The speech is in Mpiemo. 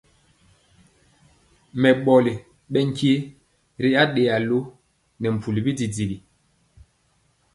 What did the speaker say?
Mɛɓoli ɓɛ nkye ri aɗeya lo nɛ mpuli bididigi.